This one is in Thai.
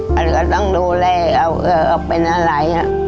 ก็เลยต้องดูแลเขาเข้าเป็นอะไร